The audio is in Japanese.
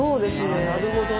あなるほどね。